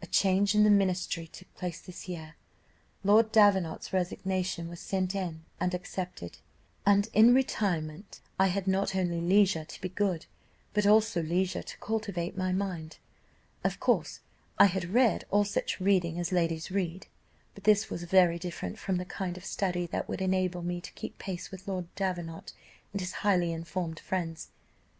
"A change in the ministry took place this year, Lord Davenant's resignation was sent in and accepted, and in retirement I had not only leisure to be good, but also leisure to cultivate my mind. Of course I had read all such reading as ladies read, but this was very different from the kind of study that would enable me to keep pace with Lord Davenant and his highly informed friends.